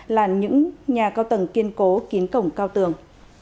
là những nhà cao tầng kiên cố kiến cổng cao tường